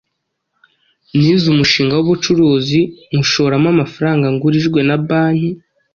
Nize umushinga w’ubucuruzi nywushoramo amafaranga ngurijwe na banki,